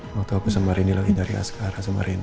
waktu aku sama rini lagi nyari askar sama rina